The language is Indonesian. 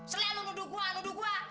selalu nuduk gua nuduk gua